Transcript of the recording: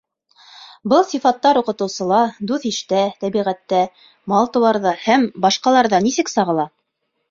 Был сифаттар уҡытыусыла, дуҫ-иштә, тәбиғәттә, мал-тыуарҙа һәм башҡаларҙа нисек сағыла?